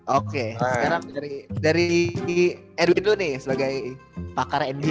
oke sekarang dari edwin lu nih sebagai pakar nba ini